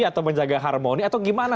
atau menjaga harmoni atau gimana